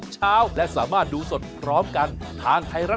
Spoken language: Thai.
ใช่ค่ะ